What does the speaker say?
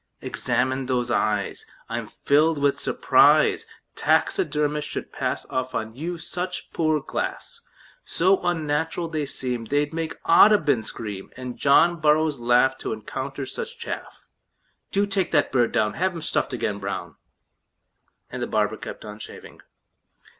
"Examine those eyes. I'm filled with surprise Taxidermists should pass Off on you such poor glass; So unnatural they seem They'd make Audubon scream, And John Burroughs laugh To encounter such chaff. Do take that bird down; Have him stuffed again, Brown!" And the barber kept on shaving.